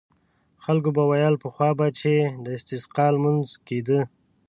خلکو به ویل پخوا به چې د استسقا لمونځ کېده.